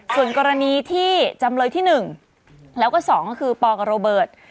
ส่วนกรณีที่จำเลยที่๑แล้วก็๒ก็คือปกับโรเบิร์ต